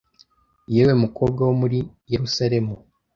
Yewe mukobwa wo muri yelusalemu